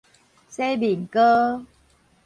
洗面膏